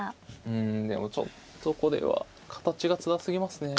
うんでもちょっとこれは形がつらすぎますね。